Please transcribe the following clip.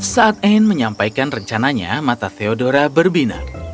saat anne menyampaikan rencananya mata teodora berbinar